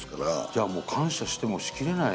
じゃあもう感謝してもしきれない。